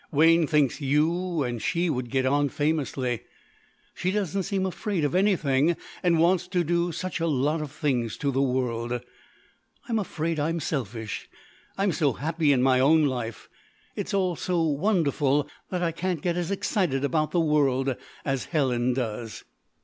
Wayne thinks you and she would get on famously. She doesn't seem afraid of anything and wants to do such a lot of things to the world. I'm afraid I'm selfish; I'm so happy in my own life it's all so wonderful that I can't get as excited about the world as Helen does."